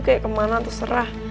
kayak kemana terserah